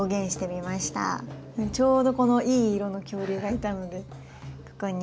ちょうどこのいい色の恐竜がいたのでここに。